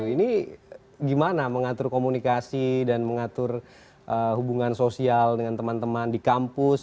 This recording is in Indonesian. ini gimana mengatur komunikasi dan mengatur hubungan sosial dengan teman teman di kampus